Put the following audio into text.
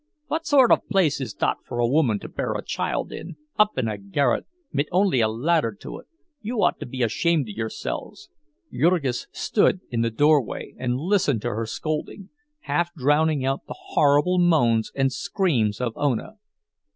Vot sort of a place is dot for a woman to bear a child in—up in a garret, mit only a ladder to it? You ought to be ashamed of yourselves!" Jurgis stood in the doorway and listened to her scolding, half drowning out the horrible moans and screams of Ona.